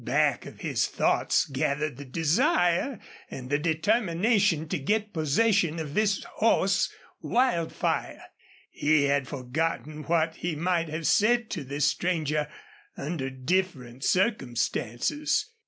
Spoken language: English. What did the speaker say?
Back of his thoughts gathered the desire and the determination to get possession of this horse Wildfire. He had forgotten what he might have said to this stranger under different circumstances.